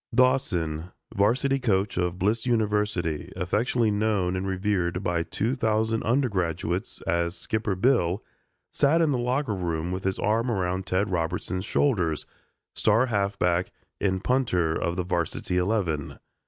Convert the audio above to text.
Dawson, varsity coach of Bliss University, affectionately known and revered by two thousand undergraduates as "Skipper Bill" sat in the locker room with his arm around Ted Robertson's shoulders, star halfback and punter of the varsity eleven.